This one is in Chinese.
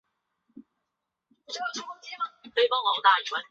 费翔引发了观众怀旧热潮。